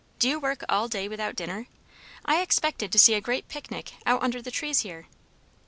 Do you work all day without dinner? I expected to see a great picnic out under the trees here."